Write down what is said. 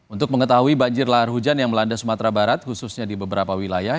untuk mengetahui banjir lahar hujan yang melanda sumatera barat khususnya di beberapa wilayah